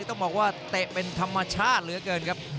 ต้องบอกว่าเตะเป็นธรรมชาติเหลือเกินครับ